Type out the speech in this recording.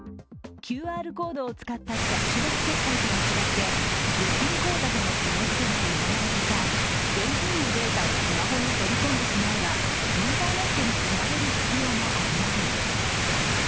ＱＲコードを使ったキャッシュレス決済とは違って、預金口座とのひもづけが要らないほか、現金のデータをスマホに取り込んでしまえばインターネットにつなげる必要もありません。